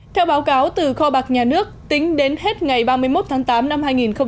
theo báo cáo từ kho bạc nhà nước tính đến hết ngày ba mươi một tháng tám năm hai nghìn một mươi chín